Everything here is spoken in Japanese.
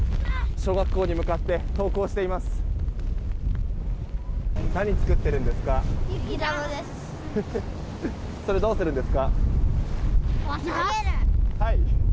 小学校に向かって登校しています。